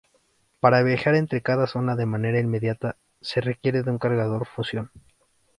Para viajar entre cada zona de manera inmediata, se requiere de un Cargador Fusión.